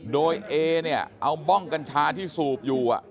โดยเอเนี่ยเอาบ้องกัญชาที่สูบอยู่